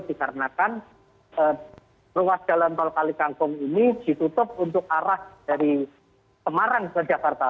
dikarenakan ruas jalan tol kalikangkung ini ditutup untuk arah dari semarang ke jakarta